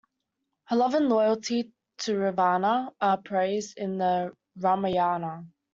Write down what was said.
Her love and loyalty to Ravana are praised in the "Ramayana".